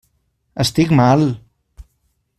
Estic mal!